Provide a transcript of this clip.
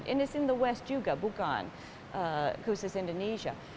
dan itu juga di barat juga bukan khusus indonesia